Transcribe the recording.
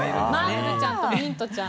マーブルちゃんとミントちゃん。